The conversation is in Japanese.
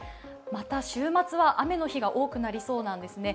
また、週末は雨の日が多くなりそうなんですね。